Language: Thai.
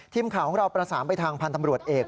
ทีมข่าวของเราประสานไปทางพันธ์ตำรวจเอก